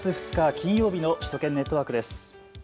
金曜日の首都圏ネットワークです。